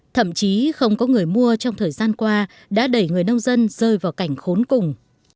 thậm chí không có người mua trong thời gian qua đã đẩy người nông dân rơi vào cảnh khốn cùng